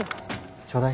ちょうだい。